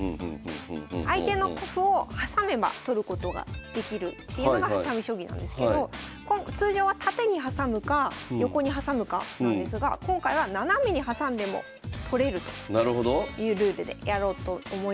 相手の歩を挟めば取ることができるっていうのがはさみ将棋なんですけど通常はタテに挟むかヨコに挟むかなんですが今回はナナメに挟んでも取れるというルールでやろうと思います。